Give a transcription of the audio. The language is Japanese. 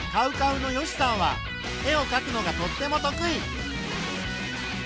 ＣＯＷＣＯＷの善しさんは絵をかくのがとっても得意。